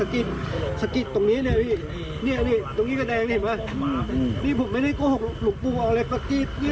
เนี่ยนี่ตรงนี้กระแดงเห็นไหมอืมนี่ผมไม่ได้โกหกหลวงปู่อะไรสะกิดเนี่ย